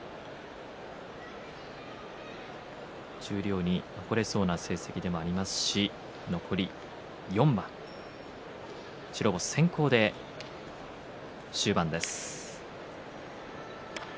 十両に残れそうな成績でもありますし残り４番、白星先行で終盤です。